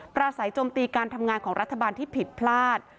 สัยโจมตีการทำงานของรัฐบาลที่ผิดพลาด